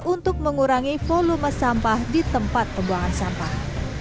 untuk mengurangi volume sampah di tempat pembuangan sampah